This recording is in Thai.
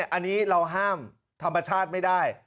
อันนี้เราห้ามธรรมชาติไม่ได้